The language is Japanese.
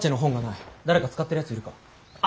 誰か使ってるやついるか？